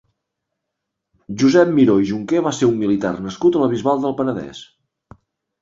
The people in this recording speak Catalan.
Josep Miró i Junqué va ser un militar nascut a la Bisbal del Penedès.